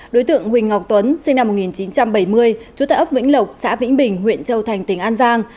đối tượng huỳnh ngọc tuấn sinh năm một nghìn chín trăm bảy mươi trú tại ấp vĩnh lộc xã vĩnh bình huyện châu thành tỉnh an giang